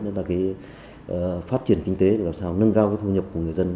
đó là phát triển kinh tế để làm sao nâng cao thu nhập của người dân